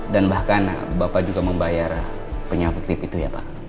dan bahkan bapak juga membayar penyakit tip itu ya pak